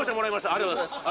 ありがとうございます。